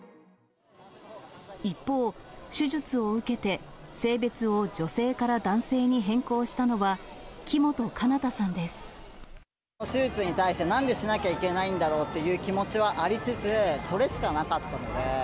一方、手術を受けて性別を女性から男性に変更したのは、手術に対して、なんでしなきゃいけないんだろうっていう気持ちはありつつ、それしかなかったので。